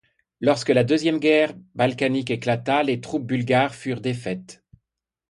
Lorsque la Deuxième Guerre balkanique éclata, les troupes bulgares furent défaites.